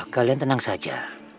kalian tenang saja